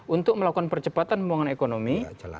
untuk melakukan percepatan pembangunan ekonomi